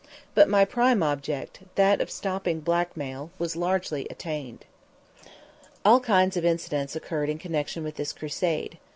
But my prime object, that of stopping blackmail, was largely attained. All kinds of incidents occurred in connection with this crusade.